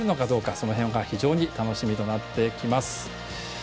その辺が非常に楽しみとなってきます。